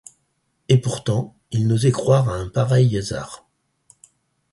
Et pourtant, il n’osait croire à un pareil hasard!